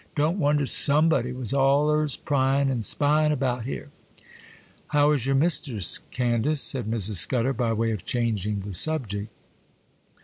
Don't wonder somebody was allers pryin' an' spyin' about here!' 'How is your mistress, Candace?' said Mrs. Scudder, by way of changing the subject.